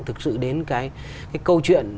thực sự đến cái câu chuyện